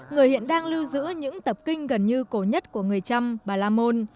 người hiện đang lưu giữ những tập kinh gần như cổ nhất của người trăm bà la môn